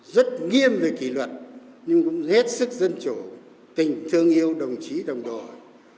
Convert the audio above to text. rất nghiêm về kỷ luật nhưng cũng hết sức dân chủ tình thương yêu đồng chí đồng đội